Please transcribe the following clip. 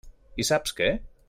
I saps què?